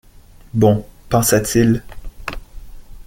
Bon, pensa-t-il.